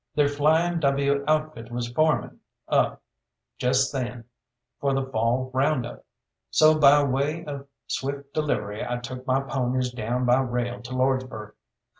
Their Flying W. Outfit was forming up just then for the fall round up, so by way of swift delivery I took my ponies down by rail to Lordsburgh.